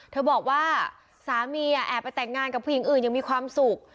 บอกว่าสามีแอบไปแต่งงานกับผู้หญิงอื่นยังมีความสุข